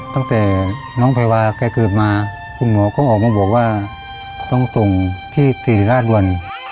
ตั้งแต่น้องแพรวาแกเกิดมาคุณหมอก็ออกมาบอกว่าต้องส่งที่ศิริราชด่วน